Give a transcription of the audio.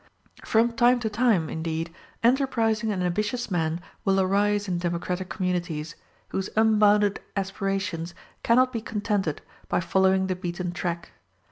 From time to time indeed, enterprising and ambitious men will arise in democratic communities, whose unbounded aspirations cannot be contented by following the beaten track.